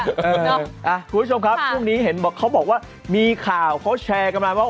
คุณผู้ชมครับช่วงนี้เห็นบอกเขาบอกว่ามีข่าวเขาแชร์กันมาว่า